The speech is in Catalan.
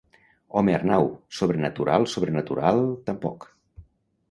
Home Arnau, sobrenatural sobrenatural, tampoc...